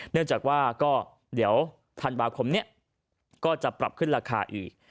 เนื่องจากว่าก็เดี๋ยวธันวาคมนี้ก็จะปรับขึ้นราคาอีก